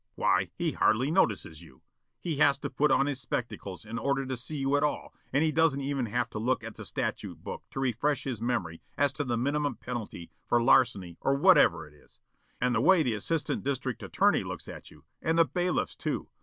Why, he hardly notices you. He has to put on his spectacles in order to see you at all and he doesn't even have to look in the statute book to refresh his memory as to the minimum penalty for larceny or whatever it is. And the way the Assistant District Attorney looks at you! And the bailiffs too.